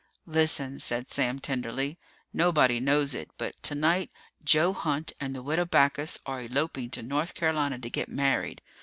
"Listen," said Sam tenderly. "Nobody knows it, but tonight Joe Hunt and the Widow Backus are eloping to North Carolina to get married.